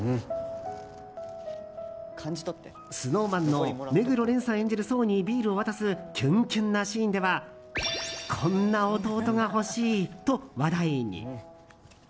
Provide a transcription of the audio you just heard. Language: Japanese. ＳｎｏｗＭａｎの目黒蓮さん演じる想にビールを渡すキュンキュンなシーンではこんな弟が欲しい！と話題に。